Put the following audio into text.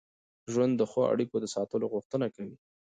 ژوند د ښو اړیکو د ساتلو غوښتنه کوي.